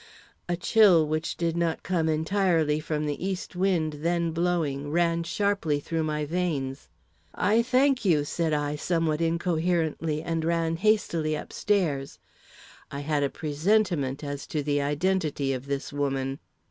A chill, which did not come entirely from the east wind then blowing, ran sharply through my veins. "I thank you," said I, somewhat incoherently, and ran hastily upstairs. I had a presentiment as to the identity of this woman.